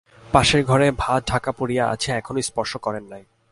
পাশের ঘরে ভাত ঢাকা পড়িয়া আছে, এখনো স্পর্শ করেন নাই।